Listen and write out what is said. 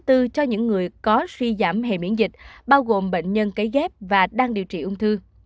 thứ bốn cho những người có suy giảm hệ miễn dịch bao gồm bệnh nhân kế ghép và đang điều trị ung thư